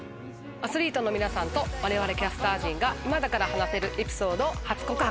アスリートの皆さんと我々キャスター陣が今だから話せるエピソードを初告白。